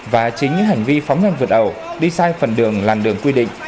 và chính những hành vi phóng nhanh vượt ẩu đi sai phần đường làn đường quy định